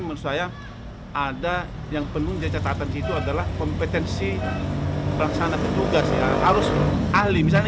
menurut saya ada yang penuh jadi catatan itu adalah kompetensi pelaksanaan petugas ya harus ahli misalnya